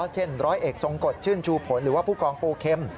เช่นร้อยเอกทรงกฎชื่นชูผลหรือว่าผู้กองปูเข็ม